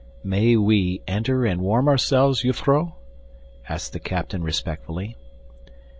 "May we enter and warm ourselves, jufvrouw?" asked the captain respectfully.